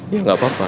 ya tidak apa apa